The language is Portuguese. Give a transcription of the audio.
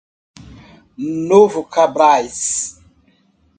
Novo Cabrais